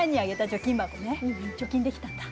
貯金できたんだ？